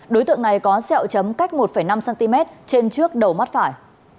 đối tượng này có xeo chấm cách một năm cm trên trước đầu mắt phải